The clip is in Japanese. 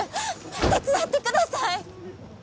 手伝ってください